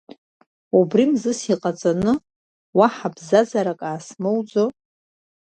Убри мзызс иҟаҵаны, уаҳа бзазарак аасмоуӡо…